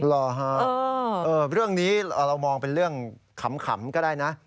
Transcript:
หรอฮะเรื่องนี้เรามองเป็นเรื่องขำก็ได้นะ